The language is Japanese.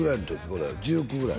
これ１９ぐらい？